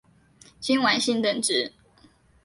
金丸信等职。